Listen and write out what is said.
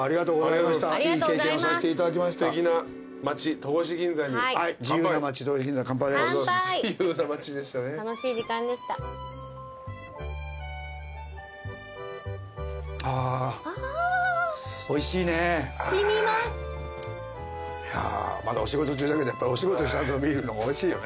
まだお仕事中だけどやっぱお仕事した後のビールの方がおいしいよね。